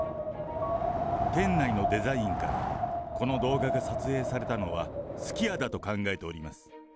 店内のデザインから、この動画が撮影されたのは、すき家だと考えております。